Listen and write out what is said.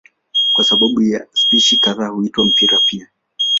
Kwa sababu ya hii spishi kadhaa huitwa mpira pia.